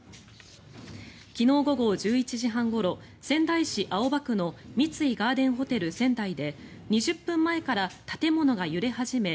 昨日午後１１時半ごろ仙台市青葉区の三井ガーデンホテル仙台で２０分前から建物が揺れ始め